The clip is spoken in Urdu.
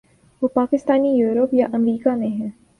جو پاکستانی یورپ یا امریکا میں ہیں۔